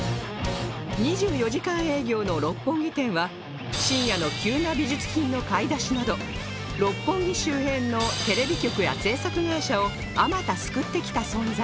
２４時間営業の六本木店は深夜の急な美術品の買い出しなど六本木周辺のテレビ局や制作会社をあまた救ってきた存在